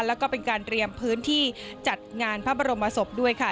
แล้วก็เป็นการเตรียมพื้นที่จัดงานพระบรมศพด้วยค่ะ